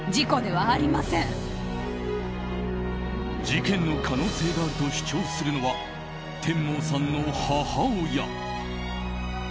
事件の可能性があると主張するのはテンモーさんの母親。